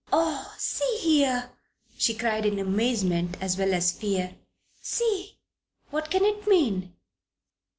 "Oh, see here!" she cried, in amazement as well as fear. "See! What can it mean?